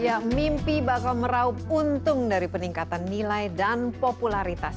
ya mimpi bakal meraup untung dari peningkatan nilai dan popularitas